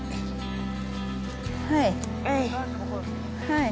はい。